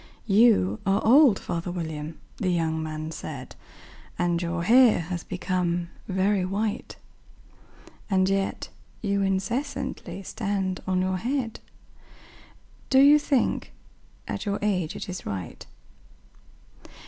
"YOU are old, father William," the young man said, "And your hair has become very white; And yet you incessantly stand on your head Do you think, at your age, it is right?